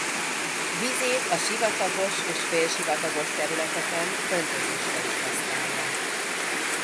Vizét a sivatagos és félsivatagos területeken öntözésre is használják.